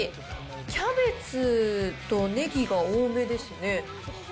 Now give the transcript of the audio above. キャベツとネギが多めですね。